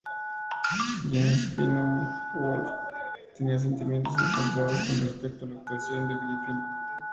James Poniewozik tenía sentimientos encontrados con respecto a la actuación de Griffin.